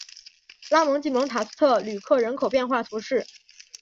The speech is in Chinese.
拉蒙济蒙塔斯特吕克人口变化图示